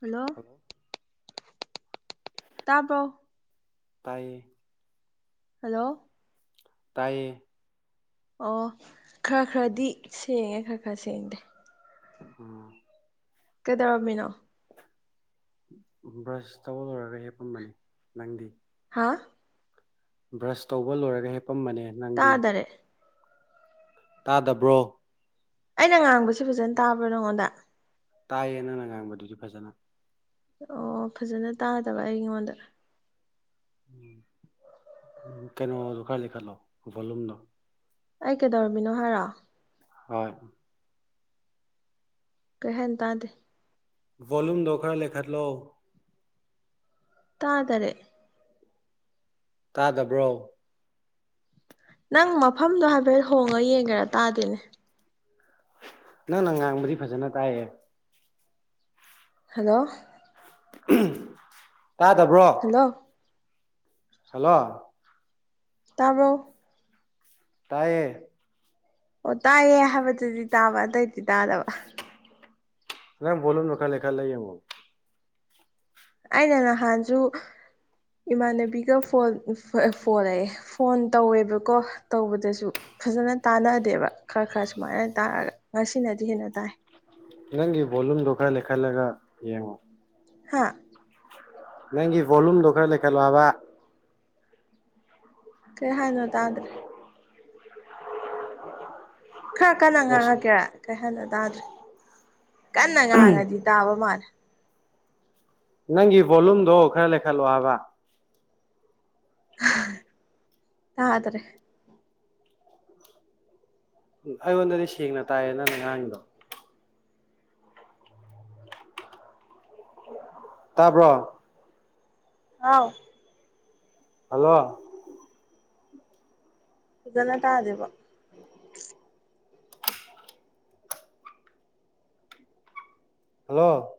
hello ꯇꯥꯕ꯭ꯔꯣ ꯇꯥꯏꯌꯦ hello ꯇꯥꯏꯌꯦ ꯑꯣ ꯈꯔ ꯈꯔꯗꯤ ꯁꯦꯡꯉꯦ ꯈꯔ ꯈꯔ ꯁꯦꯡꯗꯦ ꯎꯝ ꯀꯩꯗꯔꯝꯃꯤꯅꯣ ꯕ꯭ꯔꯁ ꯇꯧꯕ ꯂꯣꯏꯔꯒ ꯍꯦꯞꯄꯝꯕꯅꯤ ꯅꯪꯗꯤ ꯍꯥ ꯕ꯭ꯔꯁ ꯇꯧꯕ ꯂꯣꯏꯔꯒ ꯍꯤꯞ ꯄꯝꯕꯅꯦ ꯅꯪꯗꯤ ꯇꯥꯗꯔꯦ ꯇꯥꯗꯕ꯭ꯔꯣ ꯑꯩꯅ ꯉꯥꯡꯕꯁꯤ ꯐꯖꯅ ꯇꯥꯕ꯭ꯔꯥ ꯅꯉꯣꯟꯗ ꯇꯥꯏꯌꯦ ꯅꯪꯅ ꯉꯥꯡꯕꯗꯨꯗꯤ ꯐꯖꯅ ꯑꯣ ꯐꯖꯅ ꯇꯥꯗꯕ ꯑꯩꯉꯣꯟꯗ ꯎꯝ ꯀꯩꯅꯣꯗꯣ ꯈꯔ ꯂꯩꯈꯠꯂꯣ ꯚꯣꯂꯨꯝꯗꯣ ꯑꯩ ꯀꯩꯗꯧꯔꯝꯃꯤꯅꯣ ꯍꯥꯏꯔꯣ ꯍꯣꯏ ꯀꯩ ꯍꯥꯏꯅ ꯇꯥꯗꯦ ꯚꯣꯂꯨꯝꯗꯣ ꯈꯔ ꯂꯩꯈꯠꯂꯣ ꯇꯥ ꯇꯔꯦ ꯇꯥꯗꯕ꯭ꯔꯣ ꯅꯪ ꯃꯐꯝꯗꯣ ꯍꯥꯏꯐꯦꯠ ꯍꯣꯡꯉ ꯌꯦꯡꯒꯦꯔ ꯇꯥꯗꯦꯅꯦ ꯅꯪ ꯅ ꯉꯥꯡꯕꯗꯤ ꯐꯖꯅ ꯇꯥꯏꯌꯦ ꯍꯜꯂꯣ ꯎꯍꯝ ꯇꯥꯗꯕ꯭ꯔꯣ ꯍꯜꯂꯣ ꯍꯜꯂꯣ ꯇꯥꯕꯔꯣ ꯇꯥꯏꯌꯦ ꯑꯣ ꯇꯥꯏꯌꯦ ꯍꯥꯏꯕꯗꯨꯗꯤ ꯇꯥꯕ ꯑꯇꯩꯗꯤ ꯇꯥꯗꯕ ꯅꯪ ꯚꯣꯂꯨꯝꯗꯣ ꯈꯔ ꯂꯩꯈꯠꯂ ꯌꯦꯡꯉꯣ ꯑꯩꯅ ꯅꯍꯥꯟꯁꯨ ꯏꯃꯥꯟꯅꯕꯤꯒ ꯐꯣꯟ ꯐꯣꯜꯑꯌꯦ ꯐꯣꯟ ꯇꯧꯋꯦꯕꯀꯣ ꯇꯧꯕꯗꯁꯨ ꯐꯖꯅ ꯇꯥꯟꯅꯗꯦꯕ ꯈꯔ ꯈꯔ ꯁꯨꯃꯥꯏꯅ ꯇꯥꯔꯒ ꯉꯁꯤꯅꯗꯤ ꯍꯦꯟꯅ ꯇꯥꯏ ꯅꯪꯒꯤ ꯕꯣꯂꯨꯝꯗꯣ ꯈꯔ ꯂꯩꯈꯠꯂꯒ ꯌꯦꯡꯉꯣ ꯍꯥꯥ ꯅꯪꯒꯤ ꯚꯣꯂꯨꯝꯗꯣ ꯈꯔ ꯂꯩ ꯈꯜꯂꯣꯕ ꯀꯩ ꯍꯥꯏꯅꯣ ꯇꯥꯗ꯭ꯔꯦ ꯈꯔ ꯀꯟꯅ ꯑꯦꯁ ꯉꯥꯡꯉꯛꯀꯦꯔꯥ ꯀꯩ ꯍꯥꯏꯅꯣ ꯇꯥꯗ꯭ꯔꯦ ꯀꯟꯅ ꯉꯥꯡꯉꯗꯤ ꯇꯥꯕ ꯃꯥꯜꯂꯦ ꯅꯪꯒꯤ ꯚꯣꯂꯨꯝꯗꯣ ꯈꯔ ꯂꯩꯈꯠꯂꯣ ꯍꯥꯕ ꯕꯥ ꯇꯥꯗꯥꯔ꯭ꯦ ꯎꯝ ꯑꯩꯉꯣꯟꯗꯗꯤ ꯁꯦꯡꯅ ꯇꯥꯏꯌꯦ ꯅꯪꯅ ꯉꯥꯡꯉꯤꯗꯣ ꯇꯥꯕ꯭ꯔꯣ ꯍꯥꯎ ꯍꯜꯂꯣ ꯐꯖꯟꯅ ꯇꯗꯦꯕꫭ ꯍꯜꯂꯣ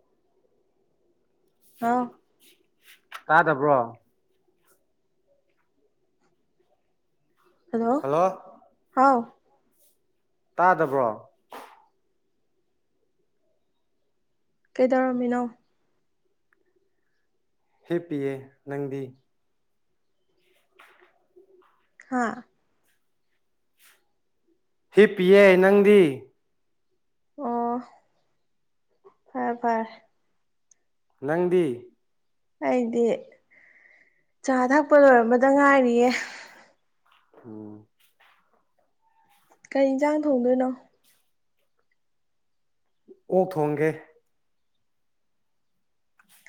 ꯍꯥꯎ ꯇꯥꯗꯕ꯭ꯔꯣ ꯍꯜꯂꯣ ꯍꯥꯎ ꯇꯥꯗꯕ꯭ꯔꯣ ꯀꯩꯗꯧꯔꯝꯃꯤꯅꯣ ꯍꯦꯞꯄꯤꯌꯦ ꯅꯪꯗꯤ ꯍꯥꯥ ꯍꯤꯞꯄꯤꯌꯦ ꯅꯪꯗꯤ ꯑꯣ ꯐꯔꯦ ꯐꯔꯦ ꯅꯪꯗꯤ ꯑꯩꯗꯤ ꯆꯥ ꯊꯛꯄ ꯂꯣꯏꯔꯝꯕꯗ ꯉꯥꯏꯔꯤꯌꯦ ꯎꯝ ꯀꯔꯤ ꯌꯦꯟꯁꯥꯡ ꯊꯣꯡꯗꯣꯏꯅꯣ ꯑꯣꯛ ꯊꯣꯡꯒꯦ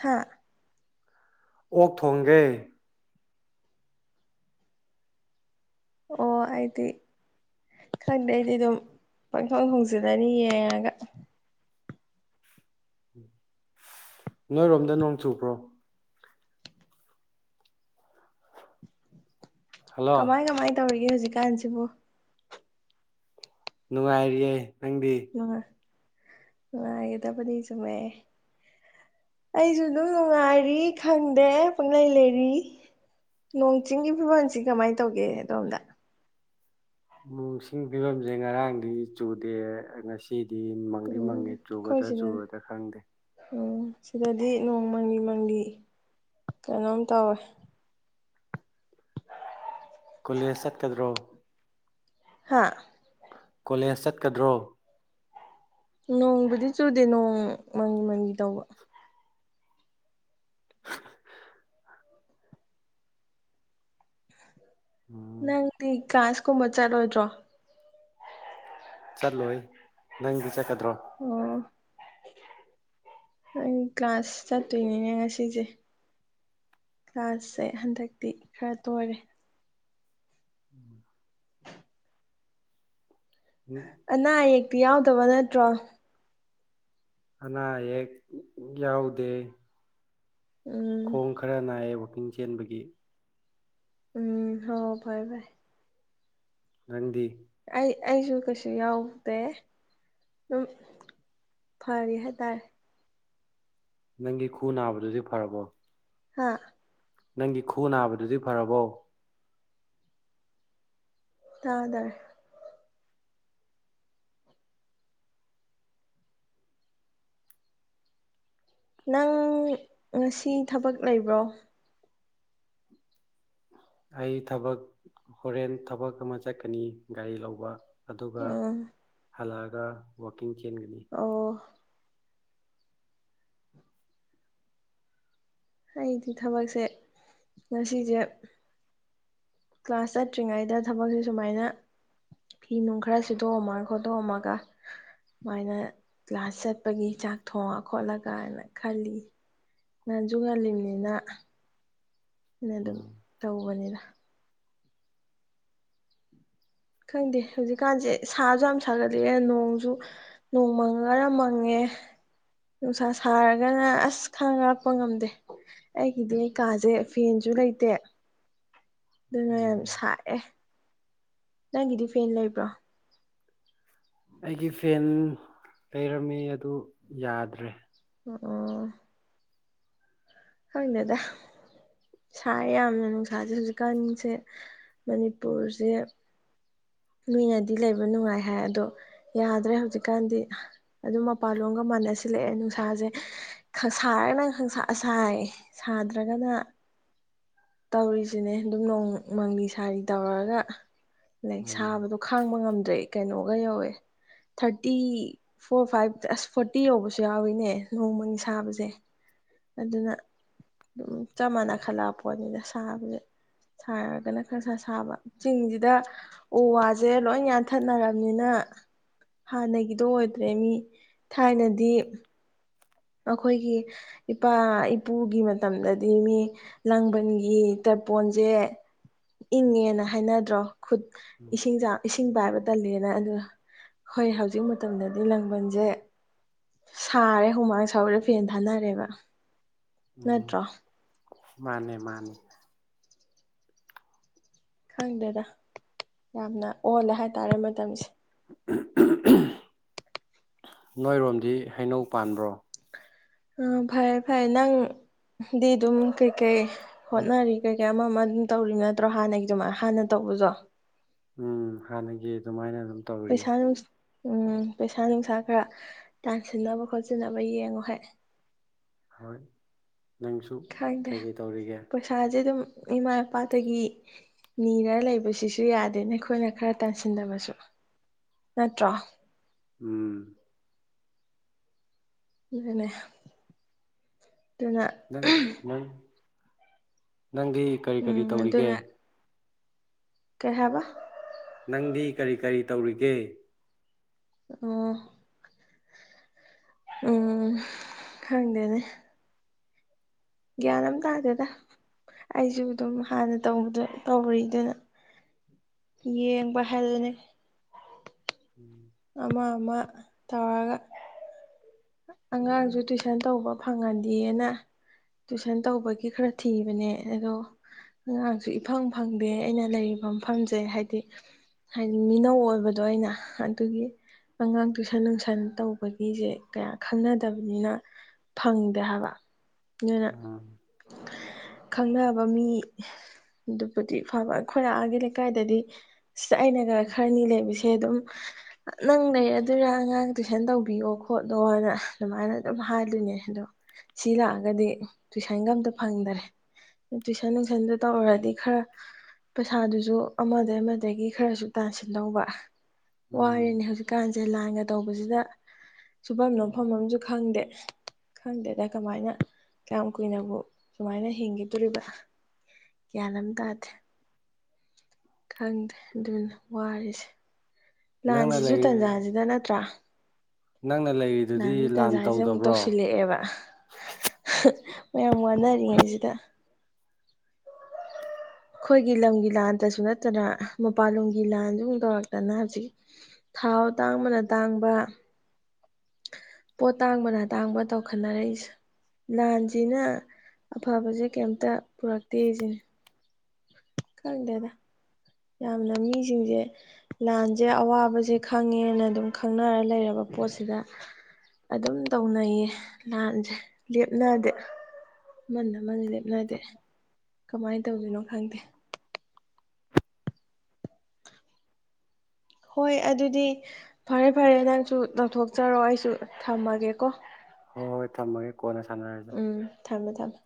ꯍꯥꯥ ꯑꯣꯛ ꯊꯣꯡꯒꯦ ꯑꯣ ꯑꯩꯗꯤ ꯈꯪꯗꯦ ꯑꯩꯗꯤ ꯑꯗꯨꯝ ꯄꯪꯈꯪ ꯍꯣꯡꯖꯤꯜꯂꯅꯤ ꯌꯦꯡꯉꯒ ꯅꯣꯏꯔꯣꯝꯗ ꯅꯣꯡ ꯆꯨꯕ꯭ꯔꯣ ꯍꯜꯂꯣ ꯀꯃꯥꯏ ꯀꯃꯥꯏ ꯇꯧꯔꯤꯒꯦ ꯍꯧꯖꯤꯛꯀꯥꯟꯁꯤꯕꯣ ꯅꯨꯡꯉꯥꯏꯔꯤꯌꯦ ꯅꯪꯗꯤ ꯅꯨꯡꯉꯥꯏꯒꯗꯕꯅꯤ ꯆꯨꯝꯃꯦ ꯑꯩꯁꯨ ꯑꯗꯨꯝ ꯅꯨꯡꯉꯥꯏꯔꯤ ꯈꯪꯗꯦ ꯄꯨꯡꯂꯩ ꯂꯩꯔꯤ ꯅꯣꯡ ꯆꯤꯡꯒꯤ ꯐꯤꯕꯝꯁꯤ ꯀꯃꯥꯏꯅ ꯇꯧꯒꯦ ꯑꯗꯣꯝꯗ ꯅꫭꯡꯁꯤꯡꯒꯤ ꯐꯤꯕꯝꯁꯦ ꯉꯔꯥꯡꯗꯤ ꯆꯨꯗꯦ ꯉꯁꯤ ꯗꯤ ꯃꯪꯗꯤ ꯎꯝ ꯃꯪꯉꯦ ꯑꯩꯈꯣꯏ ꯆꯨꯒꯗ꯭ꯔꯥ ꯁꯤꯗ ꯆꯨꯔꫭꯏꯗ꯭ꯔꯥ ꯈꯪꯗꯦ ꯎꯝ ꯁꯤꯗꯗꯤ ꯅꯣꯡꯃꯪꯂꯤ ꯃꯪꯂꯤ ꯀꯩꯅꯣꯝ ꯇꯧꯋꯦ [inaudible] ꯀꯣꯂꯦꯖ ꯆꯠꯀꯗ꯭ꯔꯣ ꯍꯥꯥ ꯀꯣꯂꯦꯖ ꯆꯠꯀꯗ꯭ꯔꯣ ꯅꯣꯡꯕꯨꯗꯤ ꯆꯨꯗꯦ ꯅꯣꯡ ꯃꯪꯒꯤ ꯃꯪꯒꯤ ꯇꯧꯕ ꯎꯝ ꯅꯪꯗꯤ ꯀꯥꯜꯁ ꯀꯨꯝꯕ ꯆꯠꯂꫭꯏꯗ꯭ꯔꯣ ꯆꯠꯂꯣꯏ ꯅꯪꯗꯤ ꯆꯠ ꯑꯣ ꯑꯩ ꯀ꯭ꯂꯥꯁ ꯆꯠꯇꯣꯏꯅꯤꯅꯦ ꯉꯁꯤꯁꯦ ꯀ꯭ꯂꯥꯁꯁꯦ ꯍꯟꯗꯛꯇꯤ ꯈꯔ ꯇꯣꯏꯔꯦ ꯎꯝ ꯑꯅꯥ ꯑꯌꯦꯛ ꯇꯤ ꯌꯥꯎꯗꯕ ꯅꯠꯇ꯭ꯔꯣ ꯑꯅꯥ ꯑꯌꯦꯛ ꯌꯥꯎꯗꯦ ꯎꯝ ꯈꯣꯡ ꯈꯔ ꯅꯥꯏꯌꯦꯕ ꯋꯥꯜꯀꯤ ꯆꯦꯟꯕꯒꯤ ꯎꯝ ꯍꯥꯥꯏ ꯍꯣꯏ ꯐꯥꯔꯦ ꯅꯪꯗꯤ ꯑꯩ ꯑꯩꯁꯨ ꯀꯩꯁꯨ ꯌꯥꯎꯗꯦ ꯑꯗꯨꯝ ꯐꯔꯤ ꯍꯥꯏꯇꯥꯔꯦ ꯅꯪꯒꯤ ꯈꯨ ꯅꯥꯕꯗꯨꯗꯤ ꯐꯔꯕꯣ ꯍꯥꯥ ꯅꯪꯒꯤ ꯈꯨ ꯅꯥꯕꯗꯨꯗꯤ ꯐꯔꯕꯣ ꯇꯥꯗꯔ ꯅꯪ ꯉꯁꯤ ꯊꯕꯛ ꯂꯩꯕ꯭ꯔꯣ ꯑꯩ ꯊꯕꯛ ꯍꯣꯔꯦꯟ ꯊꯕꯛ ꯑꯃ ꯆꯠꯀꯅꯤ ꯒꯥꯔꯤ ꯂꯧꯕ ꯑꯗꯨꯒ ꯑꯥ ꯑꯂꯛ ꯑꯒ ꯋꯥꯜꯀꯤ ꯏꯡ ꯆꯦꯟꯒꯅꯤ ꯑꯣ ꯑꯩꯗꯤ ꯊꯕꯛꯁꯦ ꯉꯁꯤꯁꯦ ꯀ꯭ꯂꯥꯁ ꯆꯠꯇ꯭ꯔꯤꯉꯩꯗ ꯊꯕꯛꯁꯦ ꯁꯨꯃꯥꯏꯅ ꯐꯤ ꯅꯨꯡ ꯈꯔ ꯁꯤꯠꯇꯣꯛꯑꯝꯃꯒ ꯈꯣꯠꯇꯣꯛꯑꯝꯃꯒ ꯁꯨꯃꯥꯏꯅ ꯀ꯭ꯂꯥꯁ ꯆꯠꯄꯒꯤ ꯆꯥꯛ ꯊꯣꯡꯉ ꯈꯣꯠꯂꯒꯅ ꯈꯜꯂꯤ ꯉꯟꯁꯨ ꯉꯜꯂꯤꯕꯅꯤꯅ ꯑꯗꯨꯝ ꯎꯝ ꯇꯧꯕꯅꯤꯅ ꯈꯪꯗꯦ ꯍꯧꯖꯤꯛꯀꯥꯟꯁꯦ ꯁꯥꯁꯨ ꯌꯥꯝ ꯁꯥꯒꯠꯂꯤꯑꯦ ꯅꯣꯡꯁꯨ ꯅꯣꯡ ꯃꯪꯉꯒꯔ ꯃꯪꯉꯦ ꯅꯨꯡꯁꯥ ꯁꯥꯔꯒꯅ ꯑꯁ ꯈꯥꯡ ꯉꯔꯛꯄ ꯉꯝꯗꯦ ꯑꯩꯒꯤꯗꯤ ꯑꯩꯩꯀꯥꯁꯦ ꯐꯦꯟꯁꯨ ꯂꯩꯇꯦ ꯑꯗꯨꯅ ꯌꯥꯝ ꯎꯝ ꯁꯥꯏꯑꯦ ꯅꯪꯒꯤꯗꯤ ꯐꯦꯟ ꯂꯩꯕ꯭ꯔꯣ ꯑꯩꯒꯤ ꯐꯦꯟ ꯂꯩꯔꯝꯃꯤ ꯑꯗꯨ ꯌꯥꯗ꯭ꯔꯦ ꯑꯣ ꯍꯪꯅꯗ ꯁꯥ ꯌꯥꯝꯅ ꯅꯨꯡꯁꯥꯁꯦ ꯍꯧꯖꯤꯛꯀꯥꯟꯁꯦ ꯃꯅꯤꯄꯨꯔꯁꯦ ꯃꯤꯣꯏꯅꯗꯤ ꯂꯩꯕ ꯅꯨꯡꯉꯥꯏ ꯍꯥꯏ ꯑꯗꯣ ꯌꯥꯗ꯭ꯔꯦ ꯍꯧꯖꯤꯛꯀꯥꯟꯗꯤ ꯑꯗꯨꯝ ꯃꯄꯥꯟꯂꯣꯝꯒ ꯃꯥꯟꯅꯁꯤꯜꯂꯛꯑꯦ ꯅꯨꯡꯁꯥꯁꯦ ꯁꯥꯔꯒꯅ ꯁꯥꯏ ꯁꯥꯗ꯭ꯔꯒꯅ ꯇꯧꯔꯤꯁꯤꯅꯦ ꯑꯗꯨꯝ ꯅꯣꯡ ꯃꯪꯅꯤ ꯁꯥꯔꯤ ꯇꯧꯔꯒ ꯂꯥꯏꯛ ꯎꯝ ꯁꯥꯕꯗꯣ ꯈꯥꯡꯕ ꯉꯝꯗ꯭ꯔꯦ ꯀꯩꯅꯣꯒ ꯌꯧꯋꯦ ꯊꯥꯔꯇꯤ ꯐꯣꯔ ꯐꯥꯏꯚ ꯑꯁ ꯐꯣꯔꯇꯤ ꯌꯧꯕꯁꯨ ꯌꯥꯎꯋꯤꯅꯦ ꯅꯣꯡꯃꯪꯒꯤ ꯁꯥꯕꯁꯦ ꯑꯗꯨꯅ ꯑꯗꯨꯝ ꯆꯞ ꯃꯥꯟꯅ ꯈꯜꯂꯛꯄ ꯄꯣꯠꯅꯤꯅ ꯁꯥꯕꯁꯦ ꯁꯥꯔꯒꯅ ꯈꯔ ꯈꯔ ꯁꯥꯕ ꯆꯤꯡꯁꯤꯗ ꯎ ꯋꯥꯁꯦ ꯂꯣꯏ ꯌꯥꯟꯊꯠꯅꯔꯕꯅꯤꯅ ꯍꯥꯟꯅꯒꯤꯗꯣ ꯑꯣꯏꯗ꯭ꯔꯦ ꯃꯤ ꯊꯥꯏꯅꯗꯤ ꯑꯩꯈꯣꯏꯒꯤ ꯏꯄꯥ ꯏꯄꯨꯒꯤ ꯃꯇꯝꯗꯗꯤ ꯃꯤ ꯂꯥꯡꯕꯟꯒꯤ ꯇꯔꯄꯣꯟꯁꯦ ꯏꯪꯉꯦꯅ ꯍꯥꯏꯅꯗ꯭ꯔꯣ ꯈꯨꯠ ꯎꯝ ꯏꯁꯤꯡ ꯏꯁꯤꯡ ꯄꯥꯏꯕ ꯇꯜꯂꯦꯅ ꯑꯗꯨ ꯍꯣꯏ ꯍꯧꯖꯤꯛ ꯃꯇꯝꯗꯗꯤ ꯂꯥꯡꯕꯟꯁꯦ ꯁꯥꯔꯦ ꯍꯨꯃꯥꯡ ꯊꯧꯔꯦ ꯐꯅ ꯊꯥꯅꯔꯦꯕ ꯎꯝ ꯅꯠꯇ꯭ꯔꯣ ꯃꯥꯅꯦ ꯃꯥꯅꯦ ꯈꯪꯗꯦꯗ ꯌꯥꯝꯅ ꯑꯣꯜꯂꯦ ꯍꯥꯏꯇꯥꯔꯦ ꯃꯇꯝꯁꯦ ꯅꯣꯏꯔꯣꯝꯗꯤ ꯍꯩꯅꯧ ꯄꯥꯟꯕ꯭ꯔꯣ ꯑꯝ ꯐꯔꯦ ꯐꯔꯦ ꯅꯪꯗꯤ ꯑꯗꯨꯝ ꯀꯩꯀꯩ ꯍꯣꯠꯅꯔꯒ ꯀꯩ ꯑꯃ ꯑꯃ ꯑꯗꯨꯝ ꯇꯧꯔꯤꯕ ꯅꯠꯇ꯭ꯔꯣ ꯍꯥꯟꯅꯒꯤ ꯑꯗꯨꯃꯥꯏ ꯍꯥꯟꯅ ꯇꯧꯕꯁꯨꯣ ꯎꯝ ꯍꯥꯟꯅꯒꯤ ꯑꯗꯨꯃꯥꯏꯅ ꯑꯗꯨ ꯄꯩꯁꯥ ꯅꯨꯪꯁ ꯎꯝ ꯄꯩꯁꯥ ꯅꯨꯡꯁꯥ ꯈꯔ ꯇꯥꯟꯁꯤꯟꯅꯕ ꯈꯣꯠꯆꯟꯅꯕ ꯌꯦꯡꯉꯣ ꯍꯥꯏ ꯍꯣꯏ ꯅꯪꯁꯨ ꯈꯪꯗꯦ ꯀꯩꯀꯩ ꯇꯧꯔꯤꯒꯦ ꯄꯩꯁꯥꯁꯦ ꯑꯗꯨꯝ ꯏꯃꯥ ꯏꯄꯥꯗꯒꯤ ꯅꯤꯔ ꯂꯩꯕꯁꯤꯁꯨ ꯌꯥꯗꯦ ꯅꯈꯣꯏꯅ ꯈꯔ ꯇꯥꯟꯁꯤꯟꯗꯕꯁꯨ ꯅꯠꯇ꯭ꯔꯣ ꯎꯝ ꯑꯗꯨꯅꯦ ꯑꯗꯨꯅ ꯅꯪ ꯅꯪ ꯅꯪꯗꯤ ꯀꯔꯤ ꯀꯔꯤ ꯎꯝ ꯇꯧꯔꯤꯒꯦ ꯑꯗꯨꯅ ꯀꯩ ꯍꯥꯏꯕ ꯅꯪꯗꯤ ꯀꯔꯤ ꯀꯔꯤ ꯇꯧꯔꯤꯒꯦ ꯑꯣ ꯎꯝ ꯈꯪꯗꯦꯅꯦ ꯒ꯭ꯌꯥꯟ ꯑꯃ ꯇꯥꯗꯦꯗ ꯑꯩꯖꯨ ꯑꯗꯨꯝ ꯍꯥꯟꯅ ꯇꯧꯕꯗꯣ ꯇꯧꯔꯤ ꯑꯗꯨꯅ ꯌꯦꯡꯕ ꯍꯜꯂꯅꯤ [inaudible] ꯑꯃ ꯑꯃ ꯇꯧꯔꯥꯒ ꯑꯉꯥꯡꯖꯨ ꯇꯨꯏꯁꯟ ꯇꯧꯕ ꯐꯪꯉꯗꯤꯅ ꯇꯨꯏꯁꯟ ꯇꯧꯕꯒꯤ ꯈꯔ ꯊꯤꯕꯅꯦ ꯑꯗꯣ ꯑꯉꯥꯡꯁꯨ ꯏꯐꯪ ꯐꯪꯗꯦ ꯑꯩꯅ ꯂꯩꯔꯤꯕ ꯃꯐꯝꯁꯦ ꯍꯥꯏꯗꯤ ꯍꯥꯏꯗꯤ ꯃꯤꯅꯧ ꯑꯣꯏꯕꯗꯣ ꯑꯩꯅ ꯑꯗꯨꯒꯤ ꯑꯉꯥꯡ ꯇꯨꯏꯁꯟ ꯅꯨꯡꯁꯟ ꯇꯧꯕꯒꯤꯖꯦ ꯀꯌꯥ ꯈꯪꯅꯗꯕꯅꯤꯅ ꯐꯪꯗꯦ ꯍꯥꯏꯕ ꯑꯗꯨꯅ ꯎꯝ ꯈꯪꯅꯕ ꯃꯤꯗꯨꯕꯨꯗꯤ ꯐꯕ ꯑꯈꯣꯏ ꯑꯥꯒꯤ ꯂꯩꯀꯥꯏꯗꯗꯤ ꯁꯤꯗ ꯑꯩꯅꯒ ꯈꯔꯅꯤ ꯂꯩꯕꯁꯦ ꯑꯗꯨꯝ ꯅꯪ ꯂꯩꯔꯗꯨꯏꯔꯥ ꯑꯉꯥꯡ ꯇꯨꯏꯁꯟ ꯇꯧꯕꯤꯌꯣ ꯈꯣꯠꯂꯣꯅ ꯑꯗꯨꯃꯥꯏꯅ ꯑꯗꯨꯝ ꯍꯥꯏꯗꯣꯏꯅꯦ ꯑꯗꯣ ꯁꯤ ꯂꯥꯛꯑꯒꯗꯤ ꯇꯨꯏꯁꯟꯒ ꯑꯝꯇ ꯐꯪꯗꯔꯦ ꯇꯨꯏꯁꯟ ꯅꯨꯡꯁꯟꯗ ꯇꯧꯔꯗꯤ ꯈꯔ ꯄꯩꯁꯥꯗꯨꯖꯨ ꯑꯃꯗꯩꯩ ꯑꯃꯗꯒꯤ ꯈꯔꯁꯨ ꯇꯥꯟꯁꯤꯟꯗꯧꯕ ꯎꯝ ꯋꯥꯔꯦꯅꯦ ꯍꯧꯖꯤꯛꯀꯥꯟꯁꯦ ꯂꯥꯟꯒ ꯇꯧꯕꯖꯤꯗ ꯁꯨꯐꯝ ꯅꯣꯝꯐꯝ ꯑꯝꯖꯨ ꯈꯪꯗꯦ ꯈꯪꯗꯦꯗ ꯀꯃꯥꯏꯅ ꯀꯌꯥꯝ ꯀꯨꯏꯅꯕꯨ ꯁꯨꯃꯥꯏꯅ ꯍꯤꯡꯒꯤꯗꯣꯔꯤꯕ ꯒ꯭ꯌꯥꯟ ꯑꯃ ꯇꯥꯗꯦ ꯈꯪꯗꯦ ꯑꯗꯨꯅ ꯋꯥꯔꯤꯁꯦ ꯅꯪꯅ ꯂꯥꯟꯖꯤꯁꯨ ꯂꯩ ꯇꯟꯖꯥꯖꯤꯗ ꯅꯠꯇ꯭ꯔꯥ ꯅꯪꯅ ꯂꯩꯔꯤꯗꯨꯗꯤ ꯂꯥꯟꯖꯨ ꯂꯥꯟ ꯇꯟꯖꯥꯖꯤꯗꯥ ꯑꯃꯨꯛ ꯇꯧꯗꯕ꯭ꯔꯣ ꯇꯧꯁꯤꯜꯂꯛꯑꯦꯕ ꯃꯌꯥꯝ ꯋꯥꯅꯔꯤꯉꯩꯖꯤꯗ ꯑꯈꯣꯏꯒꯤ ꯂꯝꯒꯤ ꯂꯥꯟꯗꯁꯨ ꯅꯠꯇꯅ ꯃꯄꯥꯟꯂꯝꯒꯤ ꯂꯥꯟꯖꯨ ꯑꯃꯨꯛ ꯇꯧꯔꯛꯇꯅ ꯍꯧꯖꯤꯛ ꯊꯥꯎ ꯇꯥꯡꯕꯅ ꯇꯥꯡꯕ ꯄꯣꯠ ꯇꯥꯡꯕꯅꯇꯥꯡꯕ ꯇꯧꯈꯠꯅꯔꯛꯏꯁꯦ ꯂꯥꯟꯖꯤꯅ ꯑꯐꯕꯖꯦ ꯀꯩꯝꯇ ꯄꯨꯔꯛꯇꯦꯖꯤꯅꯦ ꯈꯪꯗꯦꯗ ꯌꯥꯝꯅ ꯃꯤꯖꯤꯡꯖꯦ ꯂꯥꯟꯖꯦ ꯑꯋꯥꯕꯖꯦ ꯈꯪꯉꯦꯅ ꯑꯗꯨꯝ ꯈꯪꯅꯔ ꯂꯩꯔꯕ ꯄꯣꯠꯁꯤꯗ ꯑꯗꯨꯝ ꯇꯧꯅꯩꯌꯦ ꯂꯥꯟꯖꯦ ꯂꯦꯞꯅꯗꯦ ꯑꯃꯅ ꯑꯃꯅ ꯂꯦꯞꯅꯗꯦ ꯀꯃꯥꯏꯅ ꯇꯧꯗꯣꯏꯅꯣ ꯈꯪꯗꯦ ꯍꯣꯏ ꯑꯗꯨꯗꯤ ꯐꯔꯦ ꯐꯔꯦ ꯅꯪꯁꯨ ꯇꯧꯊꯣꯛꯆꯔꯣ ꯑꯩꯁꯨ ꯊꯝꯃꯒꯦꯀꯣ ꯍꯣꯏ ꯊꯝꯃꯒꯦ ꯀꯣꯟꯅ ꯁꯥꯟꯅꯔꯖꯤ ꯎꯝ ꯊꯝꯃꯦ ꯊꯝꯃꯦ